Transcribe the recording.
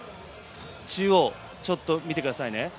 中央、ちょっと見てくださいね。